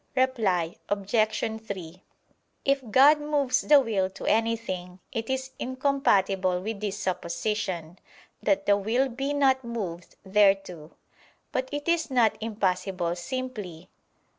Reply Obj. 3: If God moves the will to anything, it is incompatible with this supposition, that the will be not moved thereto. But it is not impossible simply.